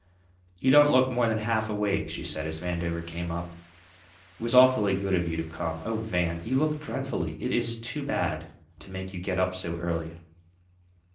"You don't look more than half awake," she said, as Vandover came up. "It was awfully good of you to come. Oh, Van, you look dreadfully. It is too bad to make you get up so early."